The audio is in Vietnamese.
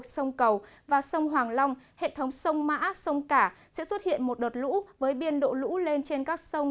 sông cầu và sông hoàng long hệ thống sông mã sông cả sẽ xuất hiện một đợt lũ với biên độ lũ lên trên các sông